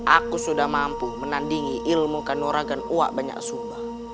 aku sudah mampu menandingi ilmu khanurah dan uak banyaksumba